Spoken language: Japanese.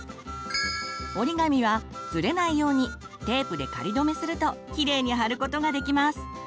折り紙はズレないようにテープで仮止めするときれいに貼ることができます。